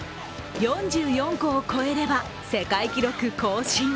４４個を超えれば世界記録更新。